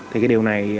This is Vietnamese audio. thì cái điều này